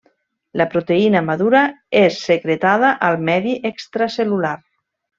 La proteïna madura és secretada al medi extracel·lular.